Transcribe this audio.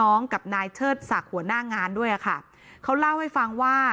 เป็นลูกพี่ลูกน้องกับนายเชิดศักดิ์หัวหน้างานด้วยค่ะเขาเล่าให้ฟังว่า